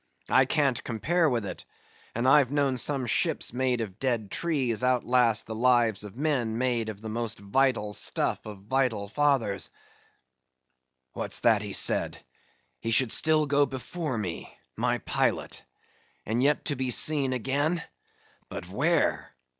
I can't compare with it; and I've known some ships made of dead trees outlast the lives of men made of the most vital stuff of vital fathers. What's that he said? he should still go before me, my pilot; and yet to be seen again? But where?